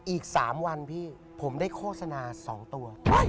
อีก๓วันพี่ผมได้โฆษณา๒ตัว